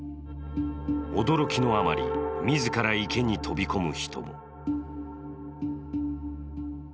驚きのあまり自ら池に飛び込む人も。